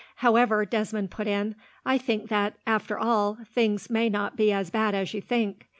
"However," Desmond put in, "I think that, after all, things may not be as bad as you think.